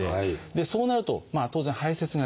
そうなると当然排せつができなくなる。